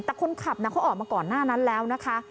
แต่คนขับเขาออกมาก่อนหน้านั้นแล้วนะคะ